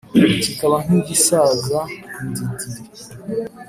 Kikaba nk'igisaza dindiri